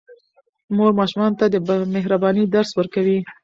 مور ماشومانو ته د مهربانۍ درس ورکوي.